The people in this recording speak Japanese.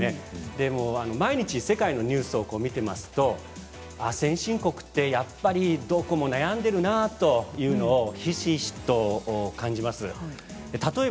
でも毎日世界のニュースを見ていますと先進国はやっぱりどこも悩んでいるなというのをひしひしと感じます。